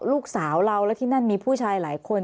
ลูกสาวเราและที่นั่นมีผู้ชายหลายคน